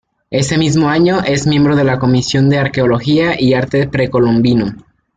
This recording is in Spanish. Ese mismo año, es miembro de la Comisión de Arqueología y de arte precolombino.